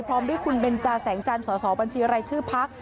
พร้อมด้วยคุณเบนจาแสงจันทร์สสบัญชีรายชื่อพัก